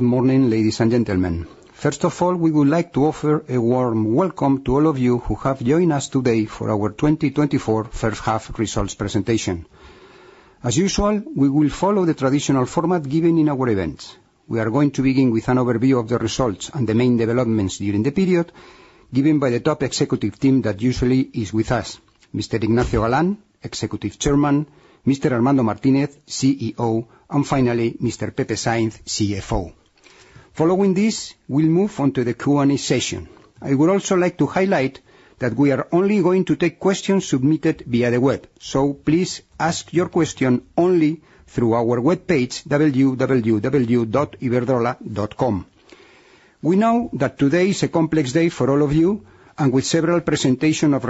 Good morning, ladies and gentlemen. First of all, we would like to offer a warm welcome to all of you who have joined us today for our 2024 first half results presentation. As usual, we will follow the traditional format given in our events. We are going to begin with an overview of the results and the main developments during the period, given by the top executive team that usually is with us: Mr. Ignacio Galán, Executive Chairman; Mr. Armando Martínez, CEO; and finally, Mr. Pepe Sainz, CFO. Following this, we'll move on to the Q&A session. I would also like to highlight that we are only going to take questions submitted via the web, so please ask your question only through our webpage, www.iberdrola.com. We know that today is a complex day for all of you, and with several presentations of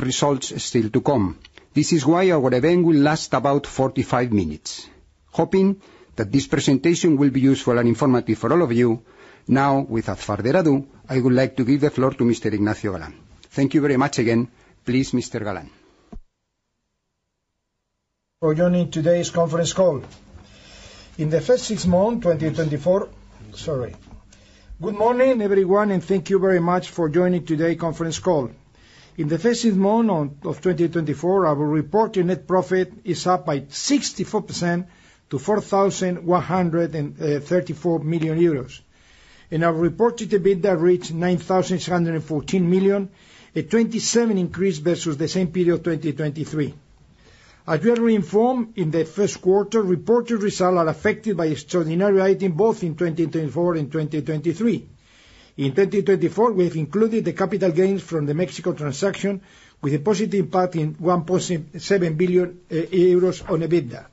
results still to come. This is why our event will last about 45 minutes. Hoping that this presentation will be useful and informative for all of you. Now, without further ado, I would like to give the floor to Mr. Ignacio Galán. Thank you very much again. Please, Mr. Galán. Good morning, everyone, and thank you very much for joining today's conference call. In the first six months of 2024, our reported net profit is up by 64% to 4,134 million euros. Our reported EBITDA reached 9,614 million, a 27% increase versus the same period of 2023. As you are informed, in the first quarter, reported results are affected by extraordinary items both in 2024 and 2023. In 2024, we have included the capital gains from the Mexico transaction, with a positive impact in 1.7 billion euros on EBITDA.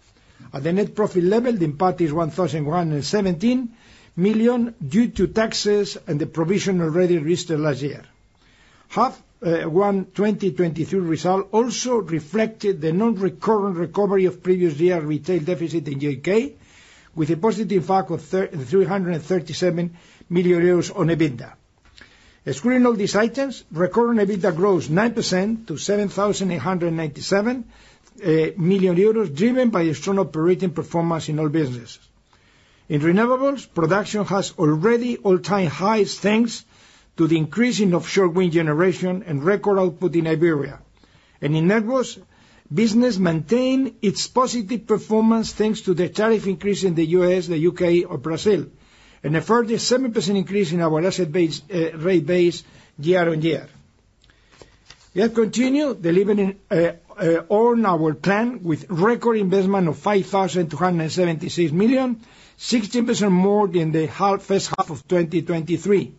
At the net profit level, the impact is 1,117 million due to taxes and the provision already registered last year. Half-year 2023 results also reflected the non-recurring recovery of previous year retail deficit in the U.K., with a positive impact of 337 million euros on EBITDA. Excluding all these items, recurring EBITDA grows 9% to 7,897 million euros, driven by excellent operating performance in all businesses. In renewables, production has already all-time highs thanks to the increase in offshore wind generation and record output in Iberia. In networks business maintained its positive performance thanks to the tariff increase in the U.S., the U.K., or Brazil, and a further 7% increase in our asset rate base year-over-year. We have continued delivering on our plan with record investment of 5,276 million, 16% more than the first half of 2023.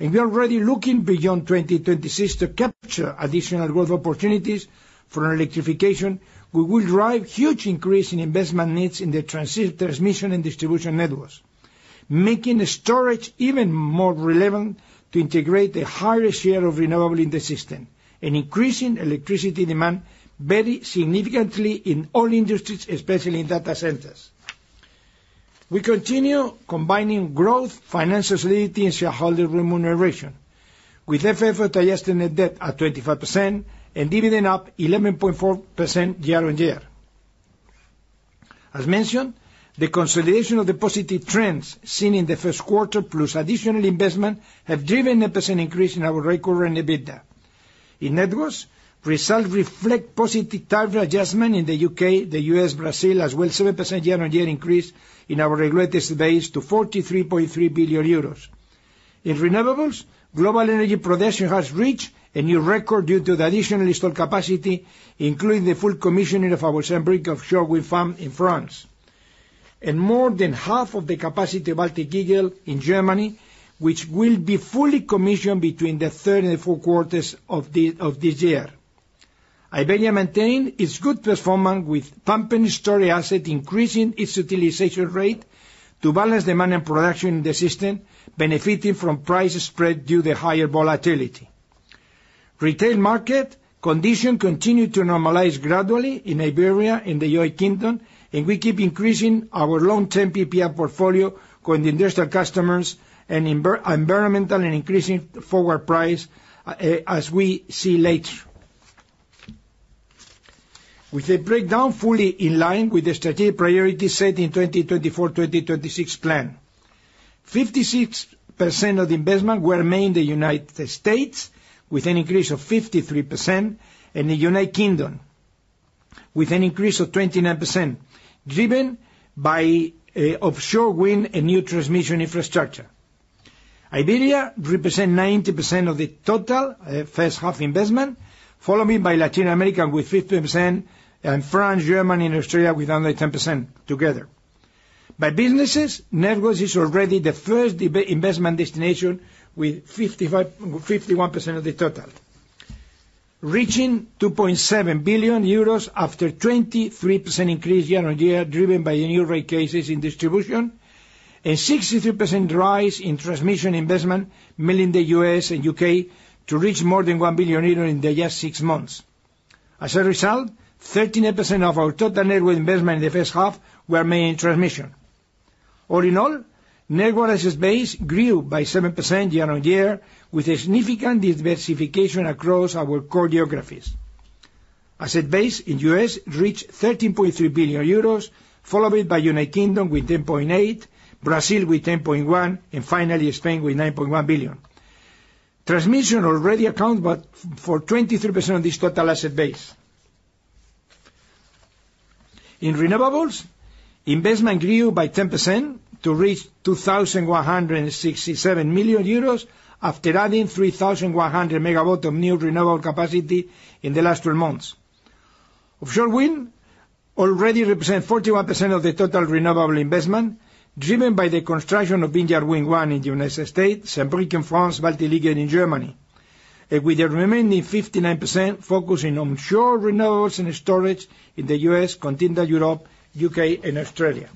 We are already looking beyond 2026 to capture additional growth opportunities for electrification, which will drive a huge increase in investment needs in the transmission and distribution networks, making storage even more relevant to integrate a higher share of renewables in the system, and increasing electricity demand very significantly in all industries, especially in data centers. We continue combining growth, financial solidity, and shareholder remuneration, with FFO / Adjusted Net Debt at 25% and dividend up 11.4% year-on-year. As mentioned, the consolidation of the positive trends seen in the first quarter, plus additional investment, have driven a 10% increase in our recurring EBITDA. Net results reflect positive tariff adjustment in the U.K., the U.S., Brazil, as well as a 7% year-on-year increase in our regulated base to 43.3 billion euros. In renewables, global energy production has reached a new record due to the additional installed capacity, including the full commissioning of our Saint-Brieuc offshore wind farm in France, and more than half of the capacity of Baltic Eagle in Germany, which will be fully commissioned between the third and the fourth quarters of this year. Iberdrola maintained its good performance, with pumped storage assets increasing its utilization rate to balance demand and production in the system, benefiting from price spread due to the higher volatility. Retail market conditions continue to normalize gradually in Iberia, in the U.K., and we keep increasing our long-term PPA portfolio with industrial customers and environmental and increasing forward price, as we see later. With the breakdown fully in line with the strategic priorities set in the 2024-2026 plan, 56% of the investment were made in the United States, with an increase of 53%, and in the U.K., with an increase of 29%, driven by offshore wind and new transmission infrastructure. Iberia represents 90% of the total first half investment, followed by Latin America, with 50%, and France, Germany, and Australia with under 10% together. By businesses, networks is already the first investment destination, with 51% of the total, reaching 2.7 billion euros after a 23% increase year-over-year, driven by the new rate cases in distribution, and a 63% rise in transmission investment, mainly in the U.S. and U.K., to reach more than 1 billion euros in the last six months. As a result, 38% of our total networks investment in the first half were made in transmission. All in all, networks asset base grew by 7% year-over-year, with a significant diversification across our core geographies. Asset base in the U.S. reached 13.3 billion euros, followed by the U.K. with 10.8 billion, Brazil with 10.1 billion, and finally Spain with 9.1 billion. Transmission already accounts for 23% of this total asset base. In renewables, investment grew by 10% to reach 2,167 million euros after adding 3,100 MW of new renewable capacity in the last 12 months. Offshore wind already represents 41% of the total renewable investment, driven by the construction of Vineyard Wind 1 in the United States, Saint-Brieuc in France, and Baltic Eagle in Germany, with the remaining 59% focusing on offshore renewables and storage in the U.S., continental Europe, U.K., and Australia.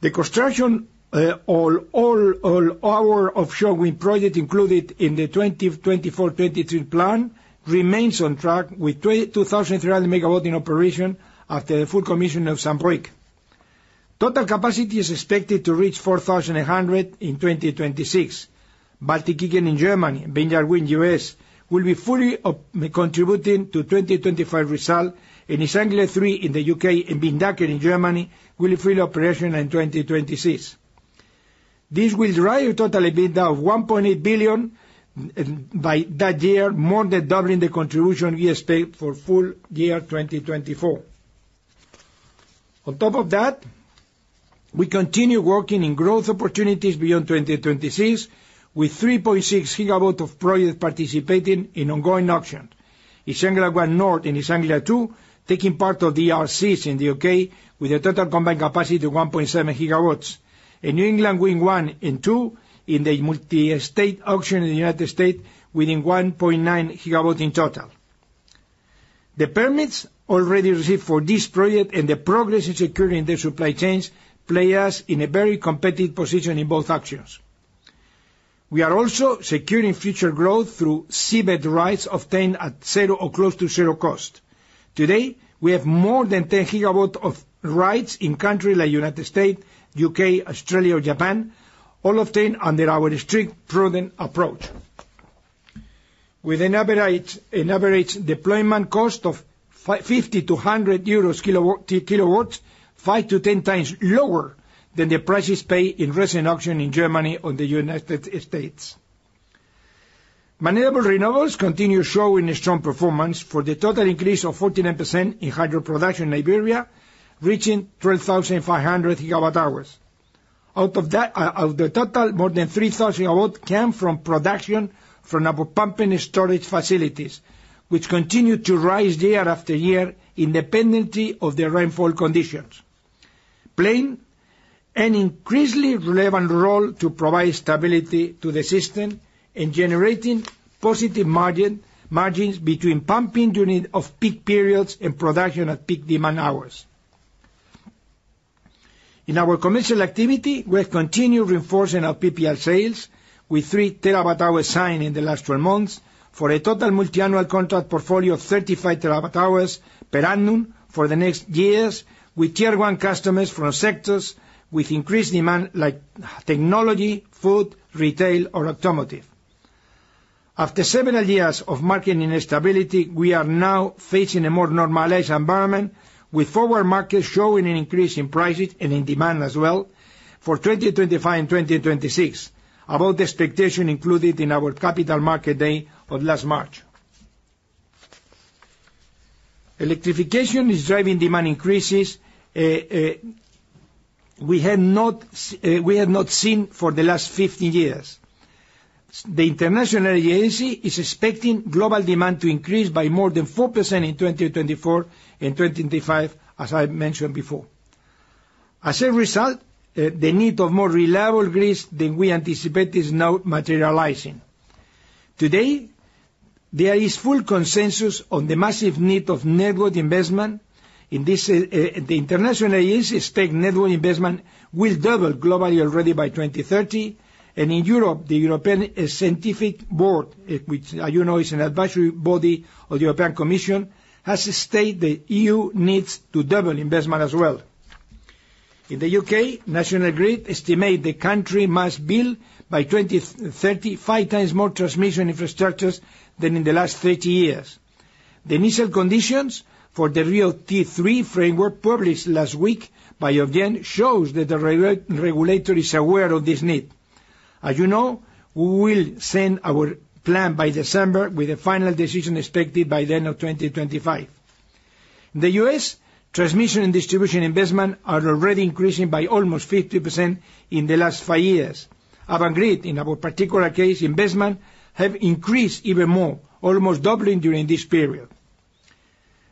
The construction of our offshore wind project included in the 2024-2023 plan remains on track, with 2,300 MW in operation after the full commission of Saint-Brieuc. Total capacity is expected to reach 4,100 MW in 2026. Baltic Eagle in Germany, Vineyard Wind 1 in the U.S., will be fully contributing to the 2025 result, and East Anglia THREE in the U.K. and Windanker in Germany will be fully operational in 2026. This will drive total EBITDA of 1.8 billion by that year, more than doubling the contribution we expect for full year 2024. On top of that, we continue working in growth opportunities beyond 2026, with 3.6 GW of projects participating in ongoing auctions. East Anglia ONE North and East Anglia TWO taking part of the CfDs in the U.K., with a total combined capacity of 1.7 GW, and New England Wind 1 and 2 in the multi-state auction in the United States, with 1.9 GW in total. The permits already received for this project and the progress in securing the supply chains place us in a very competitive position in both auctions. We are also securing future growth through seabed rights obtained at close to zero cost. Today, we have more than 10 GW of rights in countries like the United States, U.K., Australia, or Japan, all obtained under our strict proven approach, with an average deployment cost of 50-100 euros kW, 5-10 times lower than the prices paid in recent auctions in Germany or the United States. Renewables continue showing strong performance for the total increase of 49% in hydro production in Iberia, reaching 12,500 GWh. Out of the total, more than 3,000 GWh came from production from our pumped storage facilities, which continue to rise year after year, independently of the rainfall conditions, playing an increasingly relevant role to provide stability to the system and generating positive margins between pumping during peak periods and production at peak demand hours. In our commercial activity, we have continued reinforcing our PPA sales, with 3 TWh signed in the last 12 months for a total multi-annual contract portfolio of 35 TWh per annum for the next years, with tier-one customers from sectors with increased demand like technology, food, retail, or automotive. After several years of market instability, we are now facing a more normalized environment, with forward markets showing an increase in prices and in demand as well for 2025 and 2026, about the expectation included in our Capital Markets Day of last March. Electrification is driving demand increases we have not seen for the last 15 years. The International Agency is expecting global demand to increase by more than 4% in 2024 and 2025, as I mentioned before. As a result, the need for more reliable grids than we anticipated is now materializing. Today, there is full consensus on the massive need for network investment. In this, the International Agency states network investment will double globally already by 2030. In Europe, the European Scientific Board, which, as you know, is an advisory body of the European Commission, has stated the EU needs to double investment as well. In the U.K., National Grid estimates the country must build, by 2030, 5 times more transmission infrastructures than in the last 30 years. The initial conditions for the RIIO-T3 framework, published last week by Ofgem, show that the regulator is aware of this need. As you know, we will send our plan by December, with a final decision expected by the end of 2025. In the U.S., transmission and distribution investment are already increasing by almost 50% in the last 5 years. Avangrid, in our particular case, investment has increased even more, almost doubling during this period.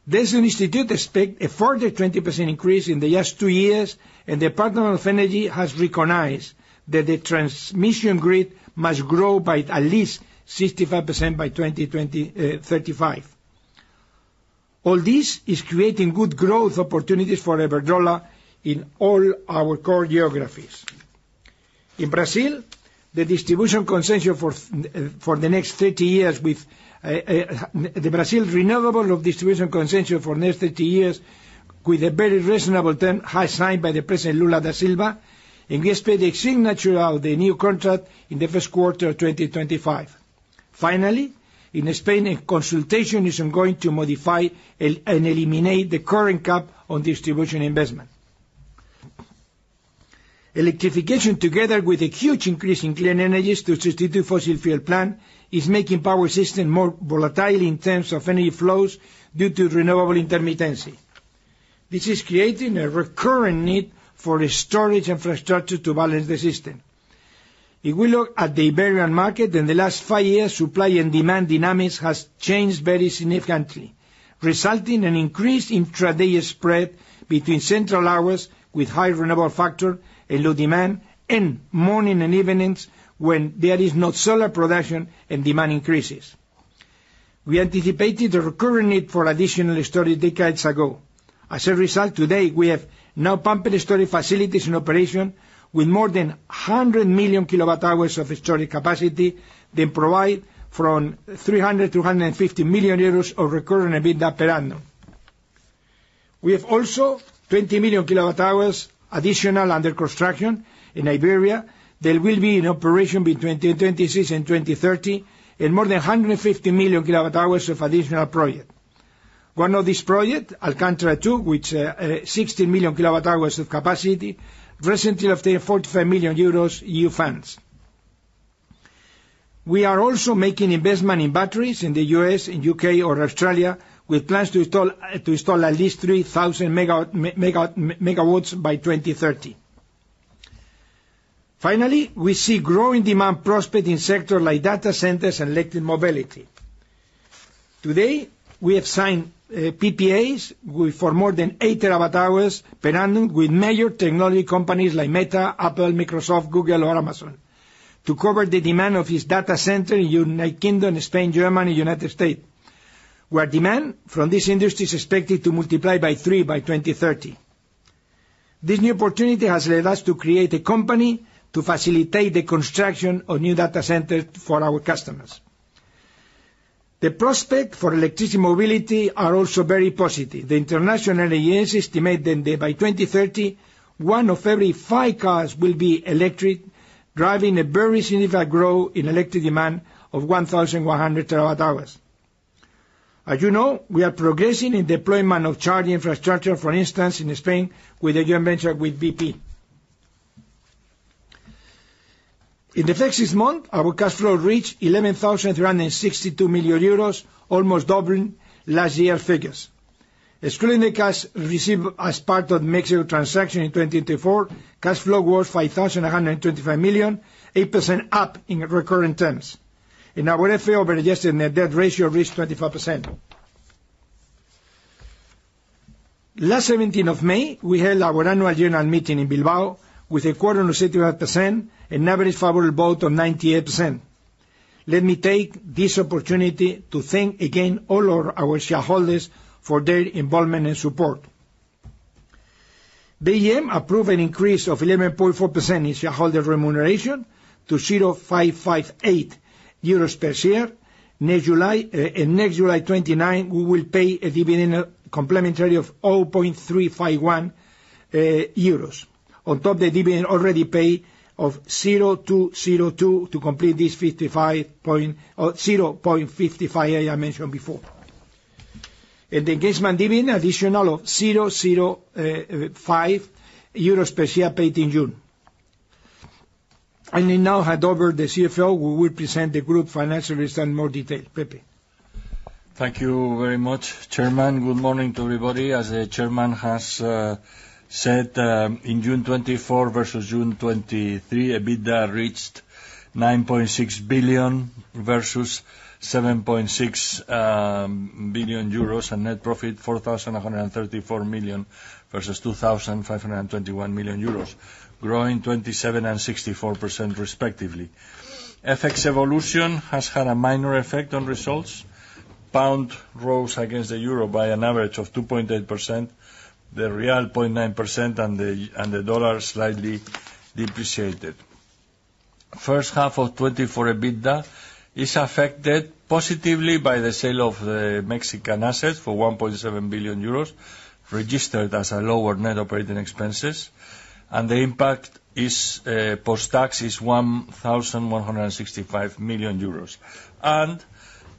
The EEI expects a further 20% increase in the last 2 years, and the Department of Energy has recognized that the transmission grid must grow by at least 65% by 2035. All this is creating good growth opportunities for Iberdrola in all our core geographies. In Brazil, the distribution concession for the next 30 years, with the Brazil renewal distribution concession for the next 30 years, with a very reasonable term signed by the President Lula da Silva, and we expect the signature of the new contract in the first quarter of 2025. Finally, in Spain, a consultation is ongoing to modify and eliminate the current cap on distribution investment. Electrification, together with a huge increase in clean energy to substitute fossil fuel plants, is making power systems more volatile in terms of energy flows due to renewable intermittency. This is creating a recurrent need for storage infrastructure to balance the system. If we look at the Iberian market, in the last 5 years, supply and demand dynamics have changed very significantly, resulting in an increase in day-ahead spread between central hours with high renewable factor and low demand, and morning and evenings when there is no solar production and demand increases. We anticipated the recurrent need for additional storage decades ago. As a result, today, we have now pumped storage facilities in operation with more than 100 million kWh of storage capacity that provide from 300 million to 150 million euros of recurrent EBITDA per annum. We have also 20 million kWh additional under construction in Iberia that will be in operation between 2026 and 2030, and more than 150 million kWh of additional projects. One of these projects, Alcántara II, with 16 million kWh of capacity, recently obtained 45 million euros EU funds. We are also making investment in batteries in the U.S., U.K., or Australia, with plans to install at least 3,000 megawatts by 2030. Finally, we see growing demand prospects in sectors like data centers and electric mobility. Today, we have signed PPAs for more than 8 terawatt-hours per annum with major technology companies like Meta, Apple, Microsoft, Google, or Amazon to cover the demand of this data center in the United Kingdom, Spain, Germany, and the United States, where demand from these industries is expected to multiply by three by 2030. This new opportunity has led us to create a company to facilitate the construction of new data centers for our customers. The prospects for electricity mobility are also very positive. The International Agency estimates that by 2030, one of every five cars will be electric, driving a very significant growth in electric demand of 1,100 terawatt-hours. As you know, we are progressing in deployment of charge infrastructure, for instance, in Spain with a joint venture with BP. In the next six months, our cash flow reached 11,362 million euros, almost doubling last year's figures. Excluding the cash received as part of the Mexico transaction in 2024, cash flow was 5,125 million, 8% up in recurring terms. In our FFO projection, the debt ratio reached 25%. Last 17th of May, we held our annual general meeting in Bilbao with a quorum of 65% and an average favorable vote of 98%. Let me take this opportunity to thank again all our shareholders for their involvement and support. AGM approved an increase of 11.4% in shareholder remuneration to 0.558 euros per share. Next July 29, we will pay a dividend complementary of 0.351 euros on top of the dividend already paid of 0.202 to complete this 0.553 I mentioned before. The interim dividend, an additional 0.05 euros per share paid in June. I now hand over to the CFO, who will present the group financial results in more detail. Pepe. Thank you very much, Chairman. Good morning to everybody. As the Chairman has said, in June 2024 versus June 2023, EBITDA reached 9.6 billion versus 7.6 billion euros, and net profit 4,134 million versus 2,521 million euros, growing 27% and 64% respectively. FX evolution has had a minor effect on results. Pound rose against the euro by an average of 2.8%. The real 0.9% and the dollar slightly depreciated. First half of 2024 EBITDA is affected positively by the sale of the Mexican assets for 1.7 billion euros, registered as a lower net operating expenses. The impact post-tax is 1,165 million euros.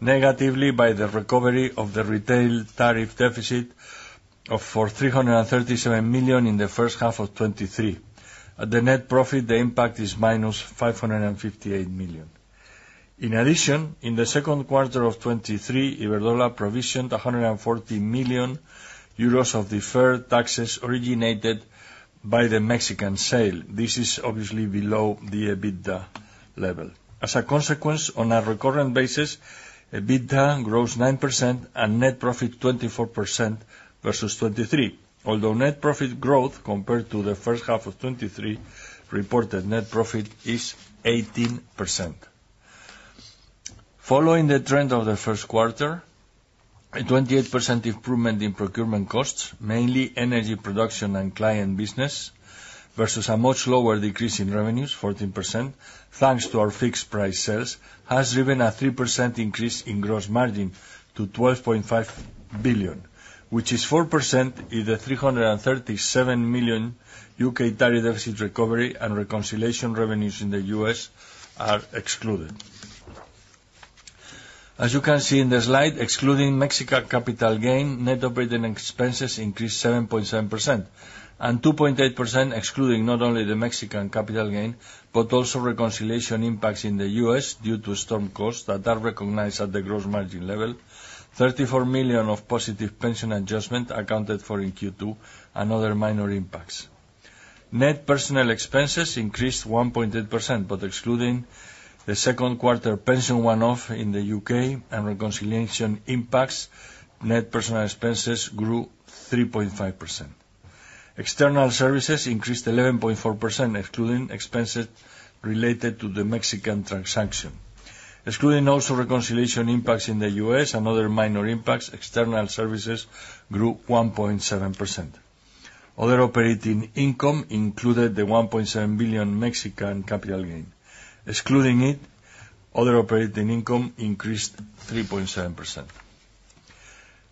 Negatively by the recovery of the retail tariff deficit for 337 million in the first half of 2023. At the net profit, the impact is -558 million. In addition, in the second quarter of 2023, Iberdrola provisioned 140 million euros of deferred taxes originated by the Mexican sale. This is obviously below the EBITDA level. As a consequence, on a recurrent basis, EBITDA grows 9% and net profit 24% versus 2023, although net profit growth compared to the first half of 2023 reported net profit is 18%. Following the trend of the first quarter, a 28% improvement in procurement costs, mainly energy production and client business, versus a much lower decrease in revenues, 14%, thanks to our fixed price sales, has driven a 3% increase in gross margin to 12.5 billion, which is 4% if the 337 million U.K. tariff deficit recovery and reconciliation revenues in the U.S. are excluded. As you can see in the slide, excluding Mexican capital gain, net operating expenses increased 7.7%. And 2.8% excluding not only the Mexican capital gain, but also reconciliation impacts in the U.S. due to storm costs that are recognized at the gross margin level, 34 million of positive pension adjustment accounted for in Q2, and other minor impacts. Net personnel expenses increased 1.8%, but excluding the second quarter pension one-off in the U.K. and reconciliation impacts, net personnel expenses grew 3.5%. External services increased 11.4%, excluding expenses related to the Mexican transaction. Excluding also reconciliation impacts in the U.S. and other minor impacts, external services grew 1.7%. Other operating income included the 1.7 billion Mexican capital gain. Excluding it, other operating income increased 3.7%.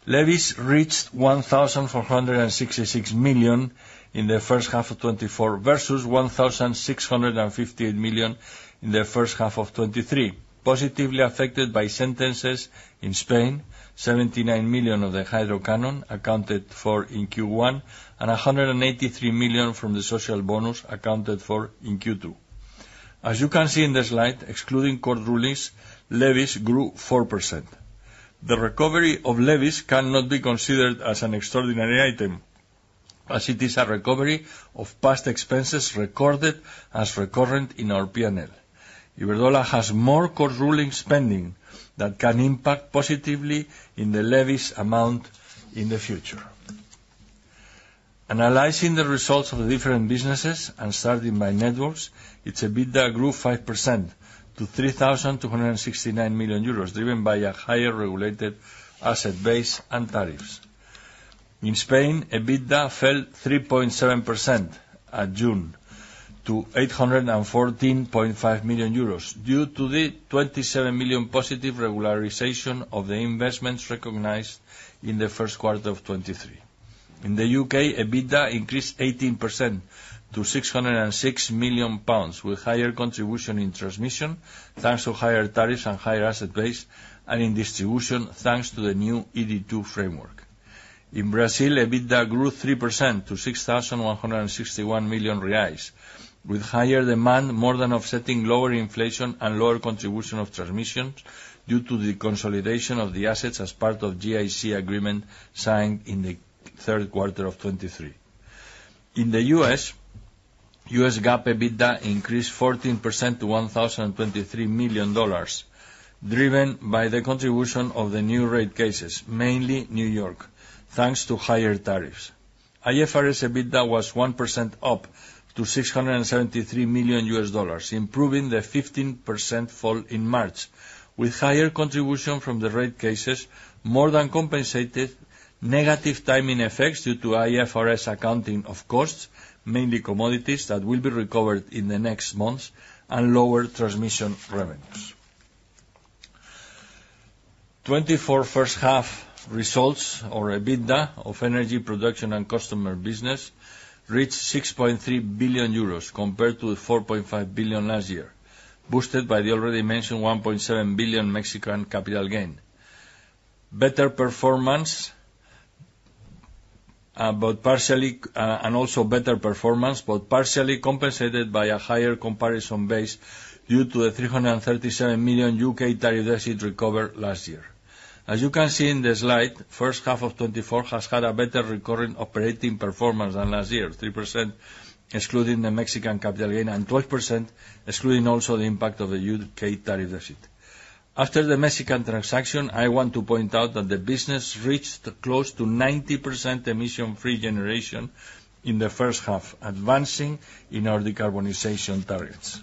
Levies reached 1,466 million in the first half of 2024 versus 1,658 million in the first half of 2023, positively affected by sentences in Spain, 79 million of the Hydro Canon accounted for in Q1, and 183 million from the Social Bonus accounted for in Q2. As you can see in the slide, excluding court rulings, levies grew 4%. The recovery of levies cannot be considered as an extraordinary item, as it is a recovery of past expenses recorded as recurrent in our P&L. Iberdrola has more court ruling spending that can impact positively in the levies amount in the future. Analyzing the results of the different businesses and starting by networks, its EBITDA grew 5% to 3,269 million euros, driven by a higher regulated asset base and tariffs. In Spain, EBITDA fell 3.7% at June to 814.5 million euros due to the 27 million positive regularization of the investments recognized in the first quarter of 2023. In the U.K., EBITDA increased 18% to 606 million pounds, with higher contribution in transmission thanks to higher tariffs and higher asset base, and in distribution thanks to the new ED2 framework. In Brazil, EBITDA grew 3% to 6,161 million reais, with higher demand more than offsetting lower inflation and lower contribution of transmissions due to the consolidation of the assets as part of GIC Agreement signed in the third quarter of 2023. In the U.S., U.S. GAAP EBITDA increased 14% to $1,023 million, driven by the contribution of the new rate cases, mainly New York, thanks to higher tariffs. IFRS EBITDA was 1% up to $673 million, improving the 15% fall in March, with higher contribution from the rate cases more than compensated negative timing effects due to IFRS accounting of costs, mainly commodities that will be recovered in the next months, and lower transmission revenues. 2024 first half results, or EBITDA, of energy production and customer business reached 6.3 billion euros compared to 4.5 billion last year, boosted by the already mentioned 1.7 billion Mexican capital gain. Better performance, but partially compensated by a higher comparison base due to the 337 million U.K. tariff deficit recovered last year. As you can see in the slide, first half of 2024 has had a better recurring operating performance than last year, 3% excluding the Mexican capital gain and 12% excluding also the impact of the U.K. tariff deficit. After the Mexican transaction, I want to point out that the business reached close to 90% emission-free generation in the first half, advancing in our decarbonization targets.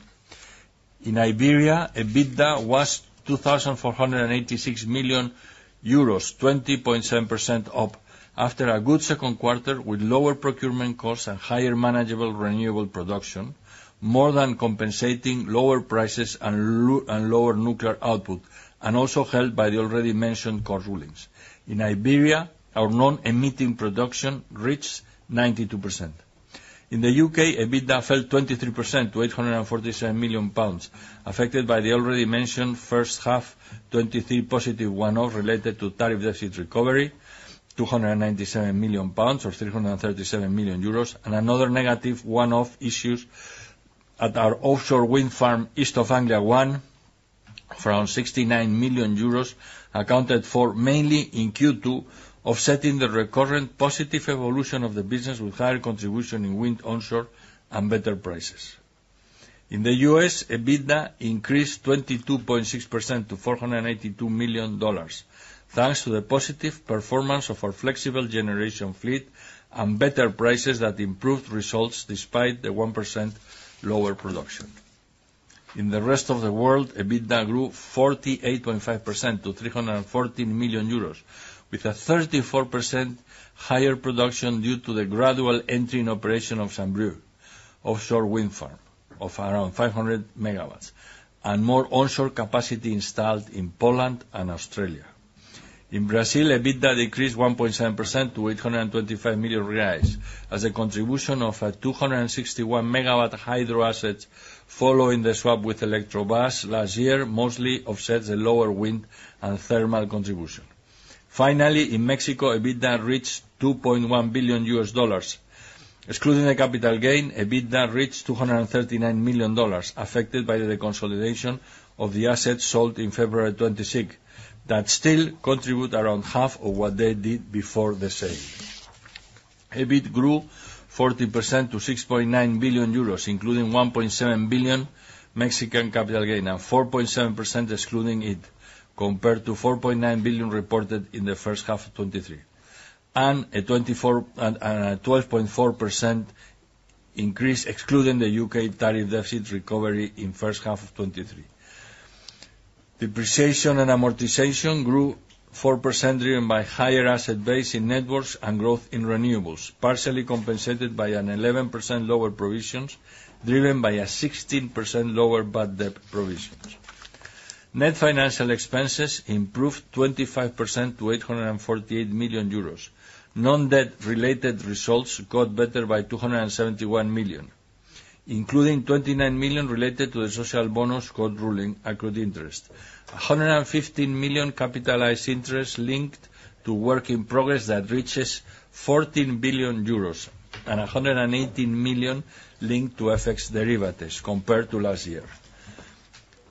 In Iberia, EBITDA was 2,486 million euros, 20.7% up after a good second quarter with lower procurement costs and higher manageable renewable production, more than compensating lower prices and lower nuclear output, and also held by the already mentioned court rulings. In Iberia, our non-emitting production reached 92%. In the U.K., EBITDA fell 23% to 847 million pounds, affected by the already mentioned first half 2023 positive one-off related to tariff deficit recovery, 297 million pounds or 337 million euros, and another negative one-off issue at our offshore wind farm East Anglia ONE from 69 million euros accounted for mainly in Q2, offsetting the recurrent positive evolution of the business with higher contribution in wind onshore and better prices. In the U.S., EBITDA increased 22.6% to $482 million, thanks to the positive performance of our flexible generation fleet and better prices that improved results despite the 1% lower production. In the rest of the world, EBITDA grew 48.5% to 314 million euros, with a 34% higher production due to the gradual entry in operation of Saint-Brieuc offshore wind farm of around 500 MW and more onshore capacity installed in Poland and Australia. In Brazil, EBITDA decreased 1.7% to 825 million reais as the contribution of 261 MW hydro assets following the swap with Eletrobras last year mostly offsets the lower wind and thermal contribution. Finally, in Mexico, EBITDA reached $2.1 billion. Excluding the capital gain, EBITDA reached $239 million, affected by the consolidation of the assets sold in February 2026 that still contribute around half of what they did before the sale. EBIT grew 40% to 6.9 billion euros, including 1.7 billion Mexican capital gain and 4.7% excluding it compared to 4.9 billion reported in the first half of 2023, and a 12.4% increase excluding the U.K. tariff deficit recovery in first half of 2023. Depreciation and amortization grew 4% driven by higher asset base in networks and growth in renewables, partially compensated by an 11% lower provisions driven by a 16% lower bad debt provisions. Net financial expenses improved 25% to 848 million euros. Non-debt related results got better by 271 million, including 29 million related to the social bonus court ruling accrued interest. 115 million capitalized interest linked to work in progress that reaches 14 billion euros and 118 million linked to FX derivatives compared to last year.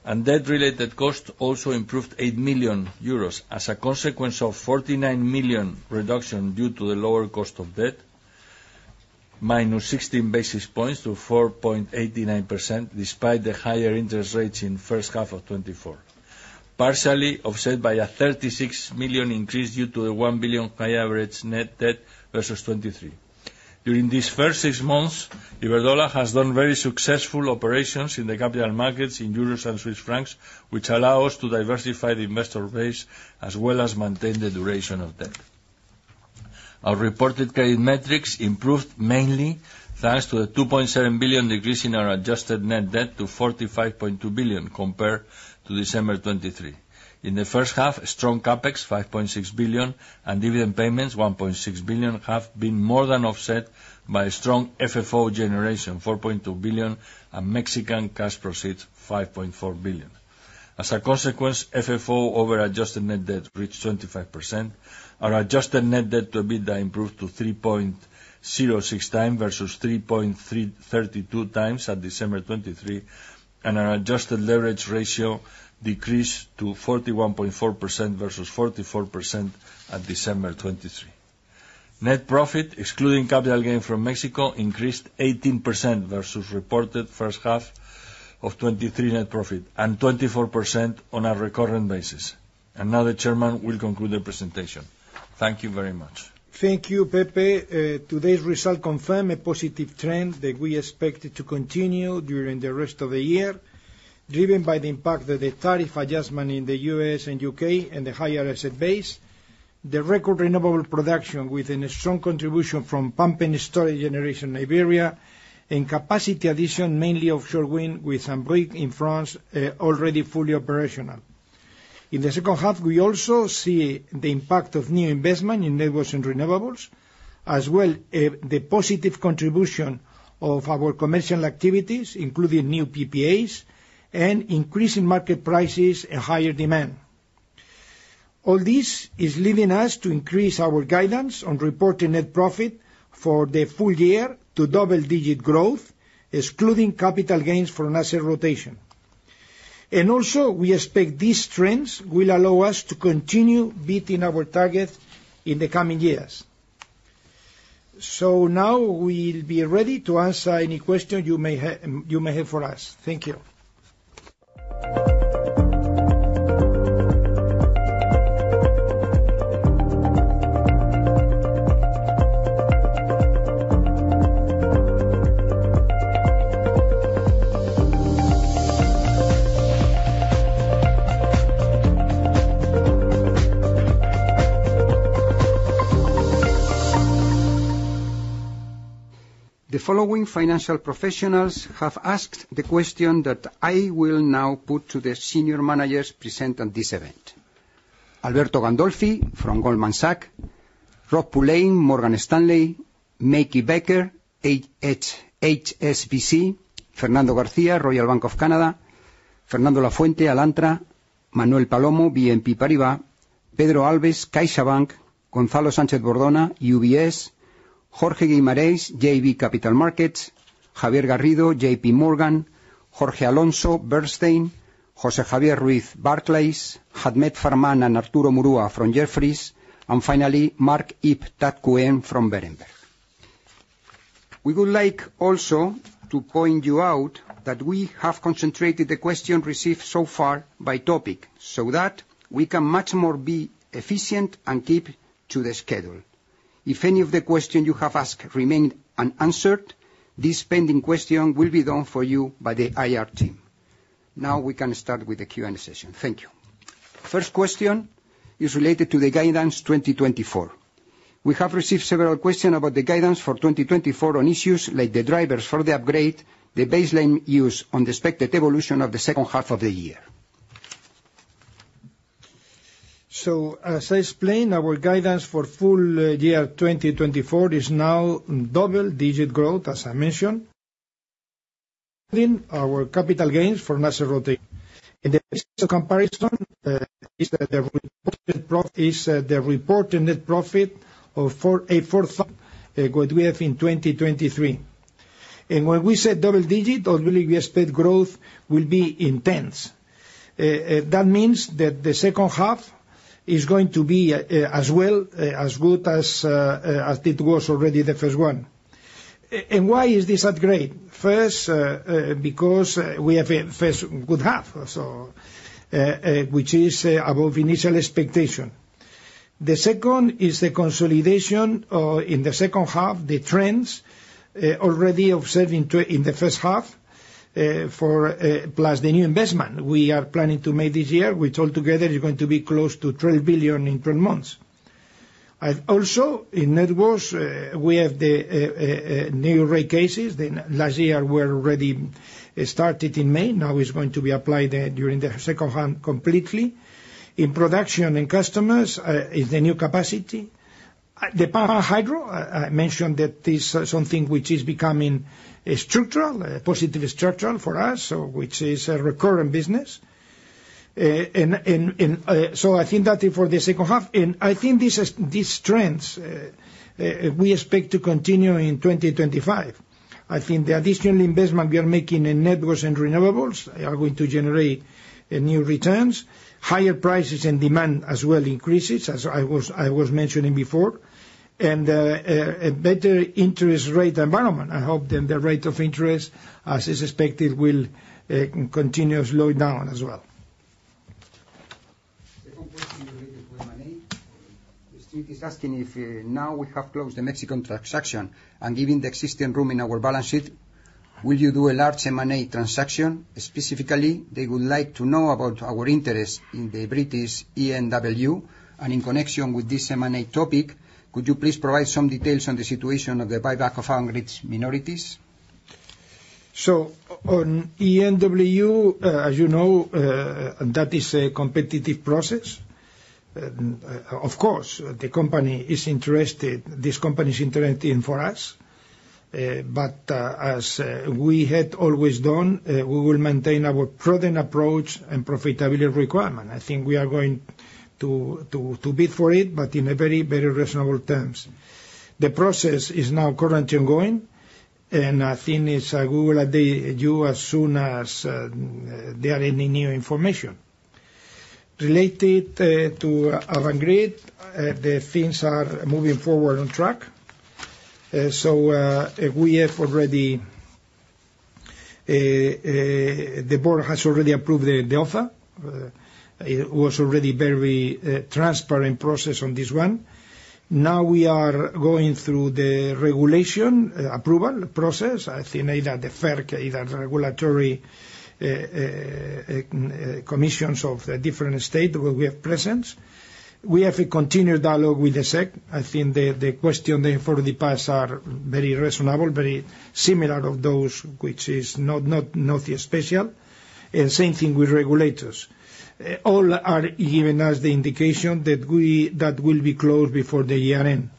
Debt related costs also improved 8 million euros as a consequence of 49 million reduction due to the lower cost of debt, minus 16 basis points to 4.89% despite the higher interest rates in first half of 2024, partially offset by a 36 million increase due to the 1 billion high average net debt versus 2023. During these first six months, Iberdrola has done very successful operations in the capital markets in euros and Swiss francs, which allow us to diversify the investor base as well as maintain the duration of debt. Our reported credit metrics improved mainly thanks to the 2.7 billion decrease in our adjusted net debt to 45.2 billion compared to December 2023. In the first half, strong CapEx, 5.6 billion, and dividend payments, 1.6 billion, have been more than offset by strong FFO generation, 4.2 billion, and Mexican cash proceeds, 5.4 billion. As a consequence, FFO over adjusted net debt reached 25%. Our adjusted net debt to EBITDA improved to 3.06 times versus 3.32 times at December 2023, and our adjusted leverage ratio decreased to 41.4% versus 44% at December 2023. Net profit, excluding capital gain from Mexico, increased 18% versus reported first half of 2023 net profit and 24% on a recurrent basis. And now the chairman will conclude the presentation. Thank you very much. Thank you, Pepe. Today's result confirmed a positive trend that we expected to continue during the rest of the year, driven by the impact of the tariff adjustment in the U.S. and U.K. and the higher asset base, the record renewable production with a strong contribution from pumped storage generation in Iberia, and capacity addition, mainly offshore wind with Saint-Brieuc in France, already fully operational. In the second half, we also see the impact of new investment in networks and renewables, as well as the positive contribution of our commercial activities, including new PPAs and increasing market prices and higher demand. All this is leading us to increase our guidance on reporting net profit for the full year to double-digit growth, excluding capital gains from asset rotation. And also, we expect these trends will allow us to continue beating our targets in the coming years. So now we'll be ready to answer any questions you may have for us. Thank you. The following financial professionals have asked the question that I will now put to the senior managers present at this event: Alberto Gandolfi from Goldman Sachs, Rob Pulleyn, Morgan Stanley, Meike Becker, HSBC, Fernando García, Royal Bank of Canada, Fernando Lafuente, Alantra, Manuel Palomo, BNP Paribas, Pedro Alves, CaixaBank, Gonzalo Sánchez-Bordona, UBS, Jorge Guimarães, JB Capital Markets, Javier Garrido, J.P. Morgan, Jorge Alonso, Bernstein, José Javier Ruiz, Barclays, Ahmed Farman and Arturo Murua from Jefferies, and finally, Marc Ip Tat Kuen from Berenberg. We would like also to point you out that we have concentrated the questions received so far by topic so that we can much more be efficient and keep to the schedule. If any of the questions you have asked remain unanswered, this pending question will be done for you by the IR team. Now we can start with the Q&A session. Thank you. First question is related to the guidance 2024. We have received several questions about the guidance for 2024 on issues like the drivers for the upgrade, the baseline used on the expected evolution of the second half of the year. So, as I explained, our guidance for full year 2024 is now double-digit growth, as I mentioned. Our capital gains for asset rotation. In the comparison, the reported profit is the reported net profit of a fourth of what we have in 2023. And when we say double-digit, obviously we expect growth will be intense. That means that the second half is going to be as well as good as it was already the first one. And why is this upgrade? First, because we have a first good half, which is above initial expectation. The second is the consolidation in the second half, the trends already observed in the first half for plus the new investment we are planning to make this year, which altogether is going to be close to 12 billion in 12 months. Also, in networks, we have the new rate cases. Last year, we already started in May. Now it's going to be applied during the second half completely. In production and customers, it's the new capacity. The power hydro, I mentioned that this is something which is becoming structural, positive structural for us, which is a recurring business. And so I think that for the second half, and I think these trends we expect to continue in 2025. I think the additional investment we are making in networks and renewables are going to generate new returns, higher prices and demand as well increases, as I was mentioning before, and a better interest rate environment. I hope that the rate of interest, as expected, will continue to slow down as well. The street is asking if now we have closed the Mexican transaction and given the existing room in our balance sheet, will you do a large M&A transaction? Specifically, they would like to know about our interest in the British ENW. In connection with this M&A topic, could you please provide some details on the situation of the buyback of Avangrid's minorities? So on ENW, as you know, that is a competitive process. Of course, the company is interested. This company is interested for us. But as we had always done, we will maintain our prudent approach and profitability requirement. I think we are going to bid for it, but in a very, very reasonable terms. The process is now currently ongoing, and I think I will update you as soon as there is any new information. Related to Avangrid, the things are moving forward on track. So we have already the board has already approved the offer. It was already a very transparent process on this one. Now we are going through the regulation approval process. I think either the FERC, either regulatory commissions of the different states where we have presence. We have a continued dialogue with the SEC. I think the questions they've already passed are very reasonable, very similar to those, which is not not special. And same thing with regulators. All are giving us the indication that we will be closed before the year end.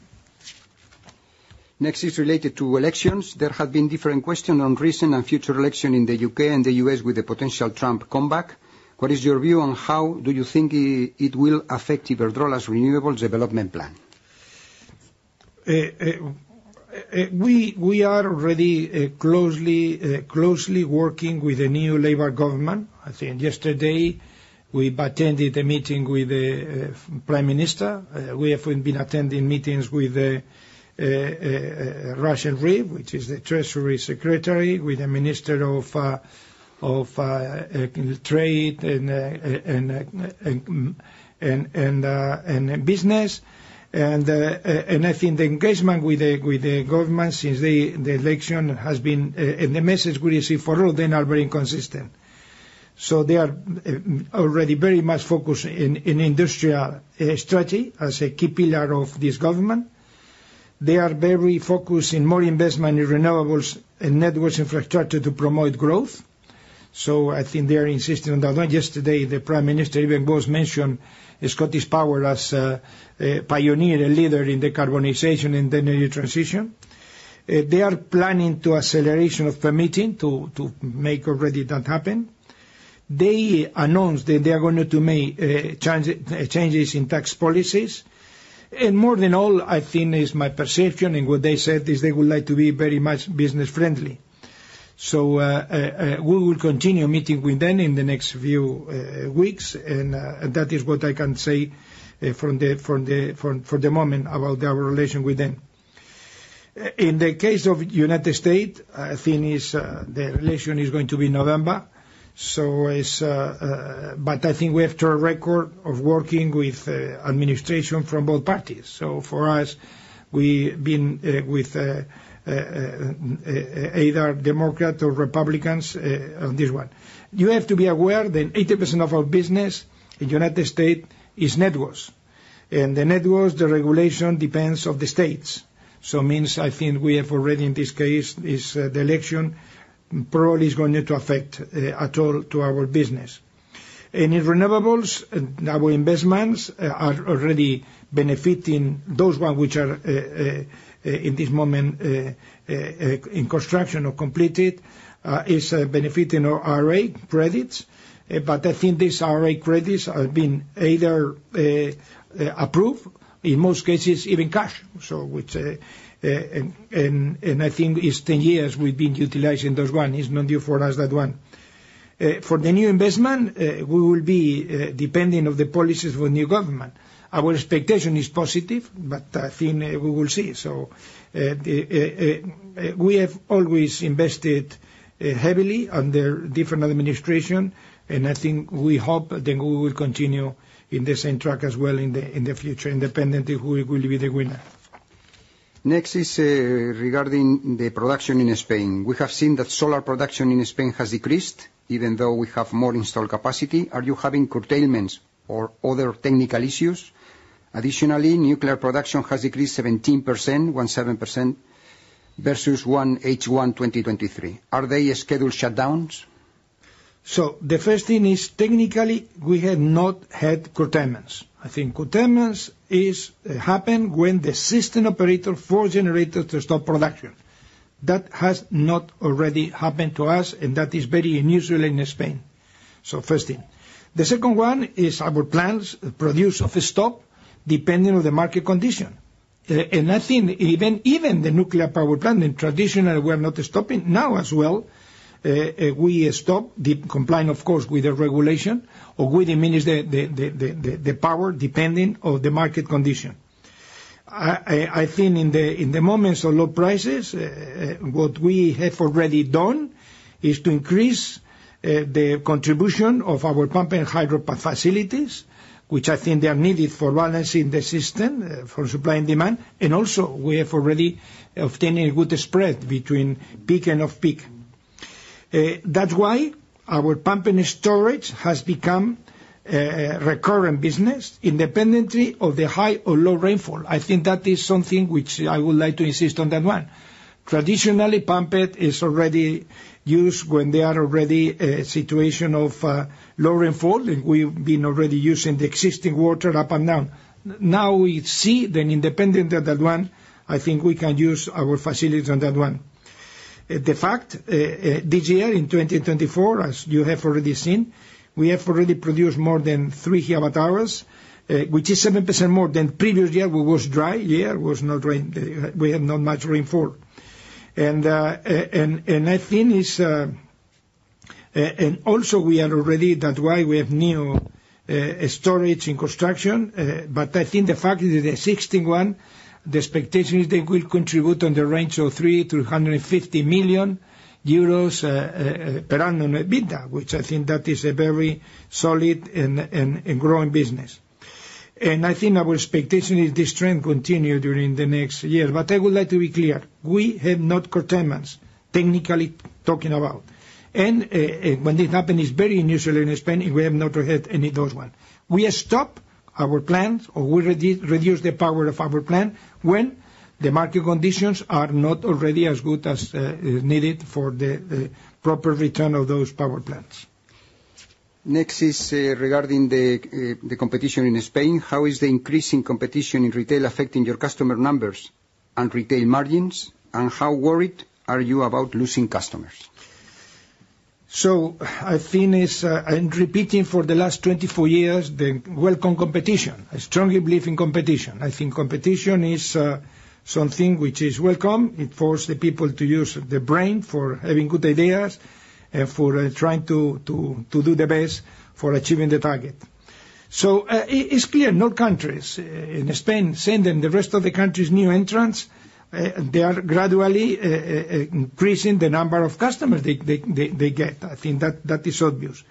Next is related to elections. There have been different questions on recent and future elections in the U.K. and the U.S. with the potential Trump comeback. What is your view on how do you think it will affect Iberdrola's renewables development plan? We are already closely working with the new Labour government. I think yesterday we attended a meeting with the Prime Minister. We have been attending meetings with Rachel Reeves, which is the Treasury Secretary, with the Minister of Trade and Business. And I think the engagement with the government since the election has been and the message we received for all of them are very consistent. So they are already very much focused in industrial strategy as a key pillar of this government. They are very focused in more investment in renewables and networks infrastructure to promote growth. So I think they are insisting on that. Yesterday, the Prime Minister even was mentioned ScottishPower as a pioneer and leader in decarbonization and the energy transition. They are planning to accelerate permitting to make already that happen. They announced that they are going to make changes in tax policies. And more than all, I think is my perception and what they said is they would like to be very much business-friendly. So we will continue meeting with them in the next few weeks. And that is what I can say from the moment about our relation with them. In the case of the United States, I think the relation is going to be November. So it's but I think we have a track record of working with administration from both parties. So, for us, we've been with either Democrats or Republicans on this one. You have to be aware that 80% of our business in the United States is networks. And the networks, the regulation depends on the states. So it means I think we have already in this case is the election probably is going to affect at all to our business. And in renewables, our investments are already benefiting those ones which are in this moment in construction or completed is benefiting our IRA credits. But I think these IRA credits have been either approved in most cases, even cash. So which and I think it's 10 years we've been utilizing those ones. It's not new for us that one. For the new investment, we will be depending on the policies of the new government. Our expectation is positive, but I think we will see. So we have always invested heavily under different administrations. And I think we hope that we will continue in the same track as well in the future, independently who will be the winner. Next is regarding the production in Spain. We have seen that solar production in Spain has decreased even though we have more installed capacity. Are you having curtailments or other technical issues? Additionally, nuclear production has decreased 17% versus 1H 2023. Are they scheduled shutdowns? So the first thing is technically we have not had curtailments. I think curtailments happen when the system operator forces generators to stop production. That has not already happened to us, and that is very unusual in Spain. So first thing. The second one is our plants produce or stop depending on the market condition. And I think even the nuclear power plant and traditionally we are not stopping. Now, as well, we stop complying, of course, with the regulation or we diminish the power depending on the market condition. I think in the moments of low prices, what we have already done is to increase the contribution of our pump and hydro facilities, which I think they are needed for balancing the system for supply and demand. And also we have already obtained a good spread between peak and off-peak. That's why our pumped storage has become a recurrent business independently of the high or low rainfall. I think that is something which I would like to insist on that one. Traditionally, pumped is already used when they are already in a situation of low rainfall, and we've been already using the existing water up and down. Now we see then independent of that one, I think we can use our facilities on that one. The fact this year in 2024, as you have already seen, we have already produced more than 3 GWh, which is 7% more than previous year when it was dry. Yeah, it was not rain. We had not much rainfall. And I think it's and also we are already that's why we have new storage in construction. But I think the fact is the 16th one, the expectation is they will contribute on the range of 3 million-150 million euros per annum bidder, which I think that is a very solid and growing business. And I think our expectation is this trend continues during the next year. But I would like to be clear. We have not curtailments technically talking about. And when this happens, it's very unusual in Spain. We have not had any of those ones. We stop our plants or we reduce the power of our plant when the market conditions are not already as good as needed for the proper return of those power plants. Next is regarding the competition in Spain. How is the increasing competition in retail affecting your customer numbers and retail margins? And how worried are you about losing customers? So I think it's. I'm repeating for the last 24 years the welcome competition. I strongly believe in competition. I think competition is something which is welcome. It forces the people to use their brain for having good ideas and for trying to do the best for achieving the target. So it's clear our country in Spain and then the rest of the countries' new entrants. They are gradually increasing the number of customers they get. I think that is obvious.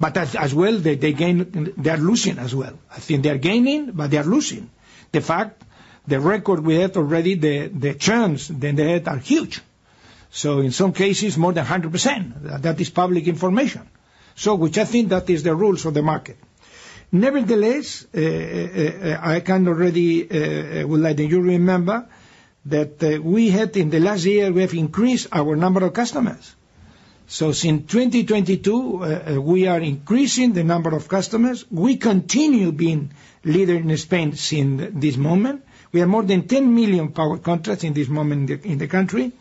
But as well, they gain they are losing as well. I think they are gaining, but they are losing. The fact the record we have already, the churns that they had are huge. So in some cases, more than 100%. That is public information. So which I think that is the rules of the market. Nevertheless, I can already would like that you remember that we had in the last year, we have increased our number of customers. So since 2022, we are increasing the number of customers. We continue being leader in Spain since this moment. We have more than 10 million power contracts in this moment in the country.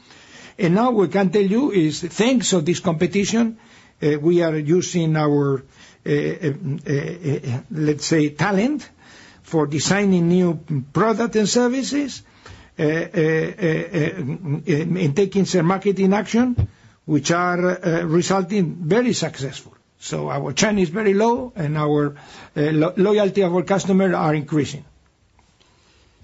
And now what I can tell you is thanks to this competition, we are using our, let's say, talent for designing new products and services and taking some marketing action, which are resulting very successful. So our churn is very low and our loyalty of our customers are increasing.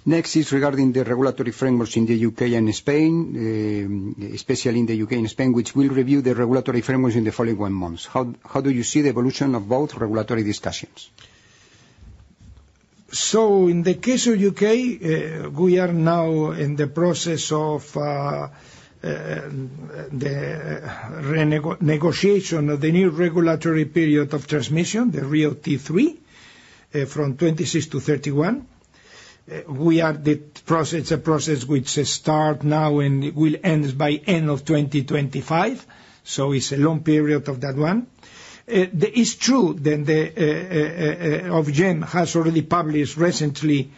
Next is regarding the regulatory frameworks in the U.K. and Spain, especially in the U.K. and Spain, which will review the regulatory frameworks in the following one month. How do you see the evolution of both regulatory discussions? So in the case of the U.K., we are now in the process of the negotiation of the new regulatory period of transmission, the RIIO-T3 from 2026 to 2031. The process is a process which starts now and will end by end of 2025. So it's a long period of that one. It's true that the Ofgem has already published recently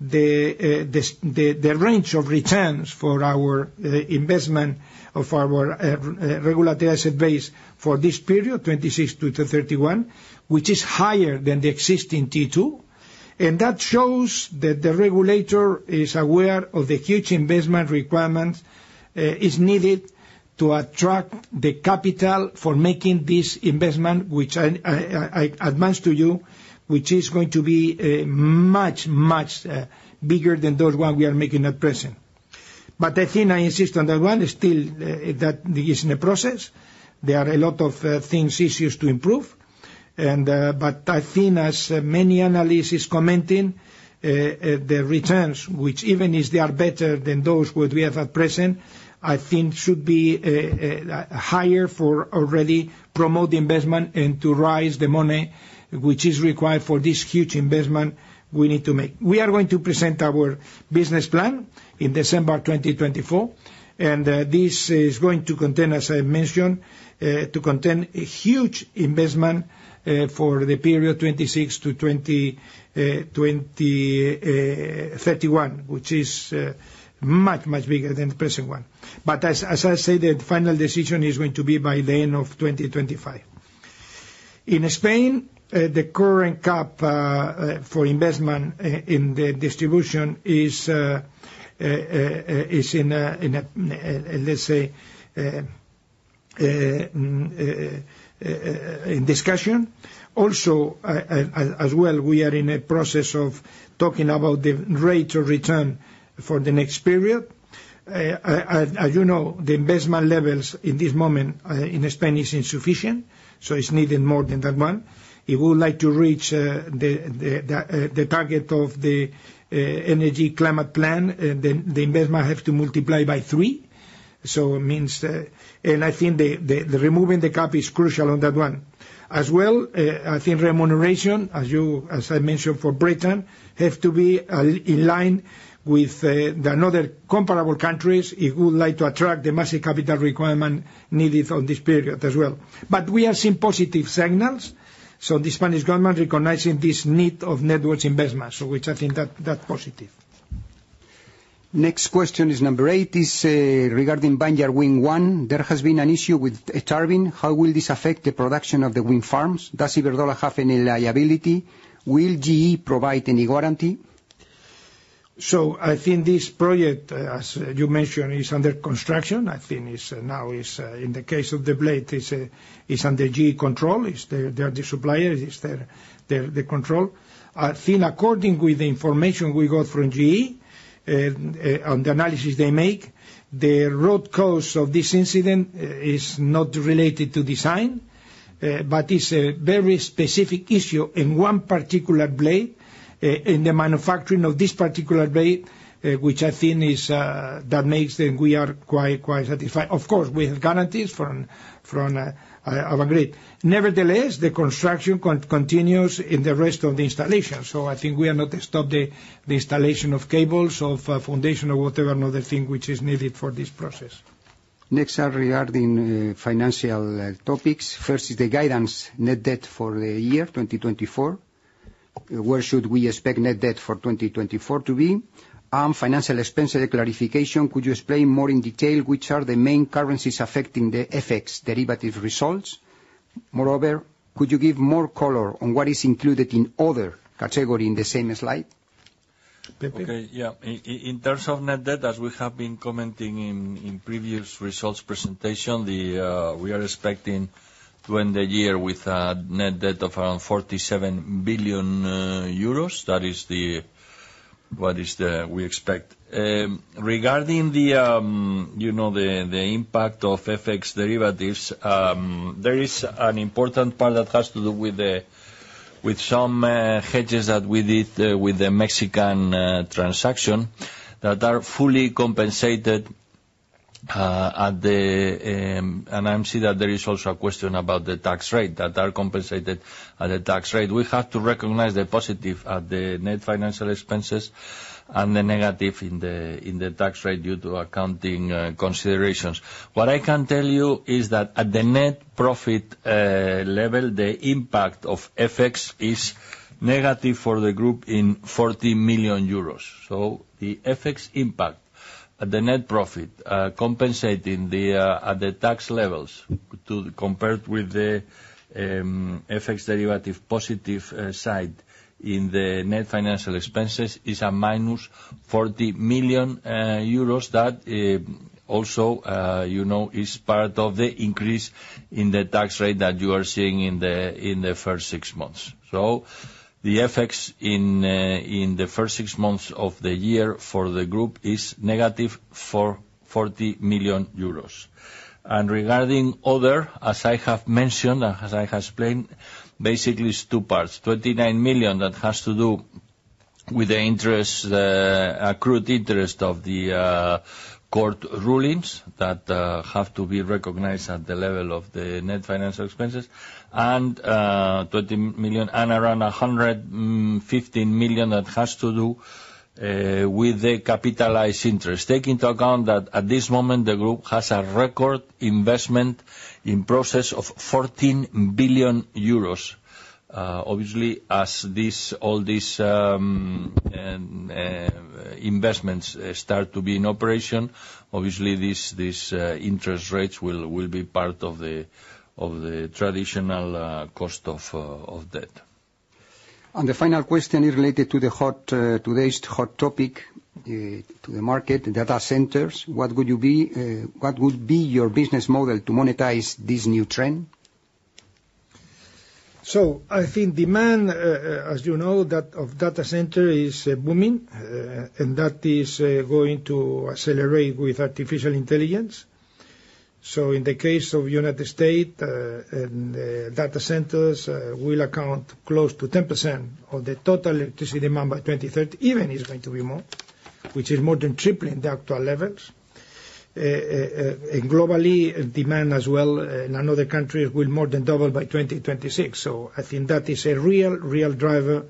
the range of returns for our investment of our regulatory asset base for this period, 2026 to 2031, which is higher than the existing T2. That shows that the regulator is aware of the huge investment requirements is needed to attract the capital for making this investment, which I advance to you, which is going to be much, much bigger than those ones we are making at present. But I think I insist on that one still, that is in the process. There are a lot of things, issues to improve. But I think as many analysts is commenting, the returns, which even if they are better than those what we have at present, I think should be higher for already promote the investment and to raise the money which is required for this huge investment we need to make. We are going to present our business plan in December 2024. And this is going to contain, as I mentioned, to contain a huge investment for the period 2026-2031, which is much, much bigger than the present one. But as I said, the final decision is going to be by the end of 2025. In Spain, the current cap for investment in the distribution is in, let's say, in discussion. Also, as well, we are in a process of talking about the rate of return for the next period. As you know, the investment levels in this moment in Spain is insufficient. So it's needed more than that one. It would like to reach the target of the energy climate plan, and the investment has to multiply by three. So it means and I think the removing the cap is crucial on that one. As well, I think remuneration, as I mentioned for Britain, has to be in line with the other comparable countries. It would like to attract the massive capital requirement needed on this period as well. But we have seen positive signals. So the Spanish government recognizing this need of networks investment, which I think that's positive. Next question is number eight is regarding Vineyard Wind 1. There has been an issue with turbine. How will this affect the production of the wind farms? Does Iberdrola have any liability? Will GE provide any warranty? So I think this project, as you mentioned, is under construction. I think now in the case of the blade, it's under GE control. They are the suppliers. It's their control. I think, according to the information we got from GE and the analysis they make, the root cause of this incident is not related to design, but it's a very specific issue in one particular blade in the manufacturing of this particular blade, which I think is that makes them we are quite satisfied. Of course, we have guarantees from Iberdrola. Nevertheless, the construction continues in the rest of the installation. So I think we are not to stop the installation of cables, of foundation, of whatever another thing which is needed for this process. Next are regarding financial topics. First is the guidance net debt for the year 2024. Where should we expect net debt for 2024 to be? Financial expenses clarification. Could you explain in more detail which are the main currencies affecting the FX derivative results? Moreover, could you give more color on what is included in other category in the same slide? Okay. Yeah. In terms of net debt, as we have been commenting in previous results presentation, we are expecting to end the year with a net debt of around 47 billion euros. That is what we expect. Regarding the impact of FX derivatives, there is an important part that has to do with some hedges that we did with the Mexican transaction that are fully compensated at the end, and I see that there is also a question about the tax rate that are compensated at the tax rate. We have to recognize the positive at the net financial expenses and the negative in the tax rate due to accounting considerations. What I can tell you is that at the net profit level, the impact of FX is negative for the group in 40 million euros. The FX impact at the net profit compensating at the tax levels compared with the FX derivative positive side in the net financial expenses is a minus 40 million euros that also is part of the increase in the tax rate that you are seeing in the first six months. The FX in the first six months of the year for the group is negative for 40 million euros. Regarding other, as I have mentioned and as I have explained, basically it's two parts. 29 million that has to do with the interest, accrued interest of the court rulings that have to be recognized at the level of the net financial expenses. 20 million and around 115 million that has to do with the capitalized interest. Taking into account that at this moment the group has a record investment in process of 14 billion euros. Obviously, as all these investments start to be in operation, obviously these interest rates will be part of the traditional cost of debt. The final question is related to today's hot topic in the market, data centers. What would you be what would be your business model to monetize this new trend? So I think demand, as you know, of data centers is booming, and that is going to accelerate with artificial intelligence. So in the case of the United States, data centers will account close to 10% of the total electricity demand by 2030. Even it's going to be more, which is more than tripling the actual levels. Globally, demand as well in another country will more than double by 2026. So I think that is a real, real driver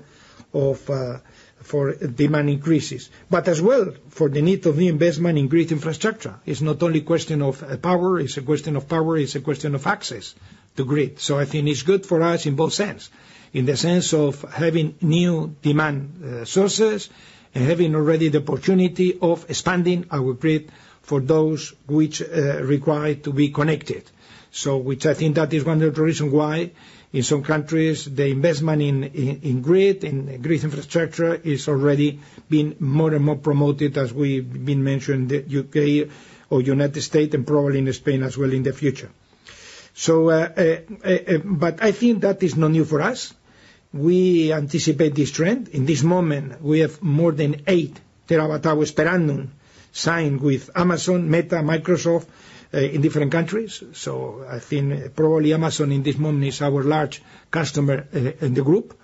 for demand increases. But as well for the need of the investment in grid infrastructure. It's not only a question of power. It's a question of power. It's a question of access to grid. So I think it's good for us in both sense, in the sense of having new demand sources and having already the opportunity of expanding our grid for those which require to be connected. So which I think that is one of the reasons why in some countries the investment in grid and grid infrastructure is already being more and more promoted as we've been mentioned in the U.K. or United States and probably in Spain as well in the future. So but I think that is not new for us. We anticipate this trend. In this moment, we have more than 8 TWh per annum signed with Amazon, Meta, Microsoft in different countries. So I think probably Amazon in this moment is our large customer in the group.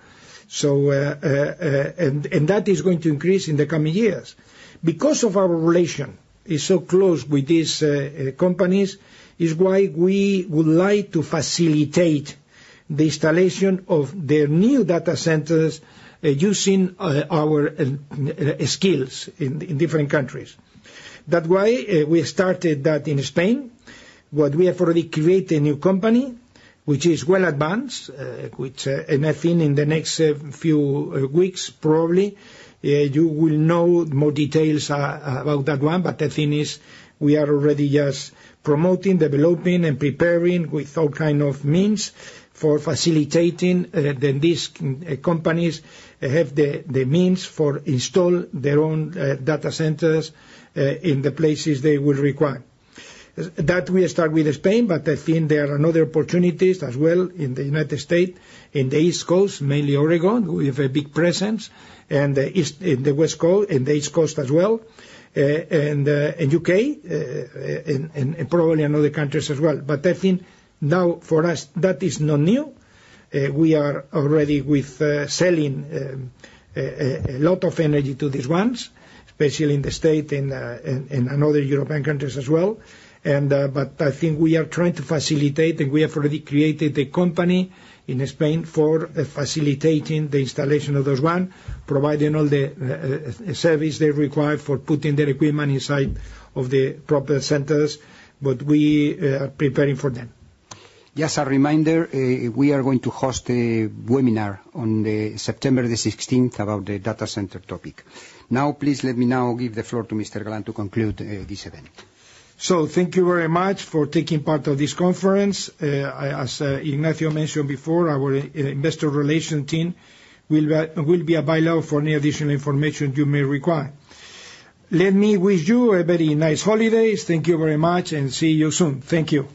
And that is going to increase in the coming years. Because of our relation is so close with these companies, is why we would like to facilitate the installation of their new data centers using our skills in different countries. That's why we started that in Spain. What we have already created a new company, which is well advanced, which I think in the next few weeks probably you will know more details about that one. I think we are already just promoting, developing, and preparing with all kinds of means for facilitating that these companies have the means for installing their own data centers in the places they will require. That we start with Spain, but I think there are other opportunities as well in the United States and the East Coast, mainly Oregon. We have a big presence in the West Coast and the East Coast as well. In U.K. and probably in other countries as well. I think now for us, that is not new. We are already with selling a lot of energy to these ones, especially in the States and in other European countries as well. I think we are trying to facilitate and we have already created a company in Spain for facilitating the installation of those one, providing all the service they require for putting their equipment inside of the proper centers. But we are preparing for them. Just a reminder, we are going to host a webinar on September the 16th about the data center topic. Now, please let me now give the floor to Mr. Galán to conclude this event. So thank you very much for taking part of this conference. As Ignacio mentioned before, our investor relations team will be available for any additional information you may require. Let me wish you a very nice holidays. Thank you very much and see you soon. Thank you.